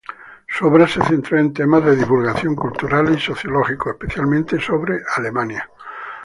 Su obra se centró en temas de divulgación, culturales y sociológicos, especialmente sobre Alemania.